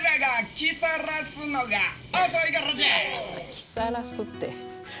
「来さらす」って。